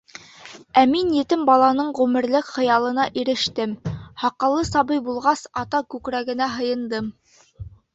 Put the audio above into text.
Ә мин етем баланың ғүмерлек хыялына ирештем: һаҡаллы сабый булғас, ата күкрәгенә һыйындым.